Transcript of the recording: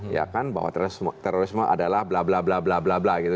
ya kan bahwa terorisme adalah bla bla bla bla bla gitu